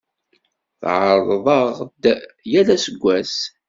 Tɛerrḍeḍ-aɣ-d yal aseggas.